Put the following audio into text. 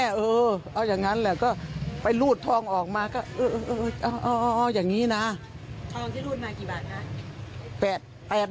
ทองที่รุ่นมากี่บาทครับ